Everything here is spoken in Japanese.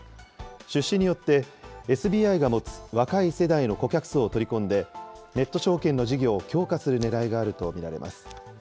出資によって、ＳＢＩが持つ若い世代の顧客層を取り込んで、ネット証券の事業を強化するねらいがあると見られます。